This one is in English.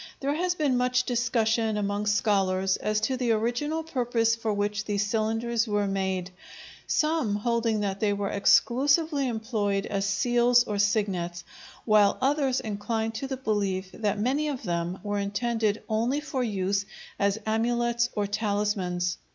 There has been much discussion among scholars as to the original purpose for which these cylinders were made, some holding that they were exclusively employed as seals or signets, while others incline to the belief that many of them were intended only for use as amulets or talismans.